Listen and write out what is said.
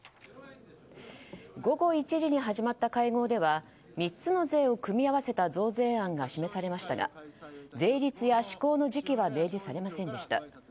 午後１時に始まった会合では３つの税を組み合わせた増税案が示されましたが税率や施行の時期は明示されませんでした。